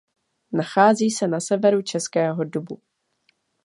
Nachází se na severu Českého Dubu.